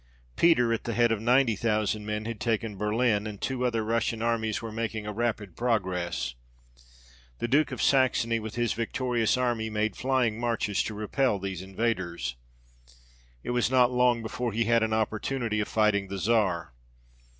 Peter, at the head of ninety thousand men, had taken Berlin, and two other Russian armies were making a rapid pro gress. The Duke of Saxony, with his victorious army, made flying marches to repel these invaders. It was not long before he had an opportunity of righting the Czar.